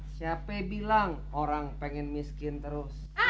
siapa yang bilang orang pengen miskin terus